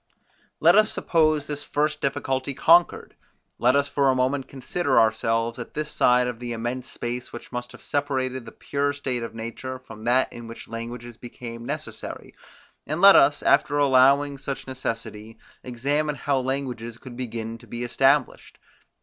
Let us suppose this first difficulty conquered: Let us for a moment consider ourselves at this side of the immense space, which must have separated the pure state of nature from that in which languages became necessary, and let us, after allowing such necessity, examine how languages could begin to be established.